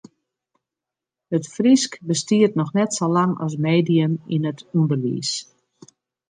It Frysk bestiet noch net sa lang as medium yn it ûnderwiis.